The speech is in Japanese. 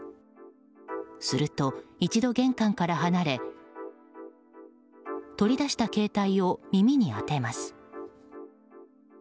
すると一度玄関から離れ取り出した携帯を耳に当てます。